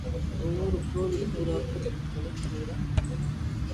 ஒவ்வொரு கோயிலும் ஒரு அற்புதக் கலைக் கூடம்.